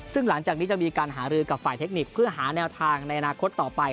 ซึ่งหลังจากนี้จะมีการหารือกับฝ่ายเทคนิคเพื่อหาแนวทางในอนาคตต่อไป